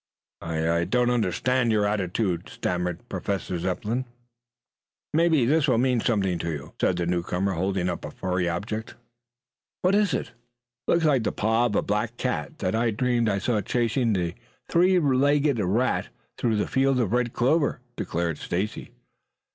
"I I don't understand your attitude," stammered Professor Zepplin. "Mebby this will mean something to you," said the newcomer, holding up a furry object. "What is it?" "Looks like the paw of the black cat that I dreamed I saw chasing the three legged rat through the field of red clover," declared Stacy.